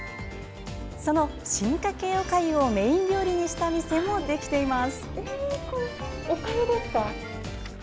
その、進化形おかゆをメイン料理にした店もできています。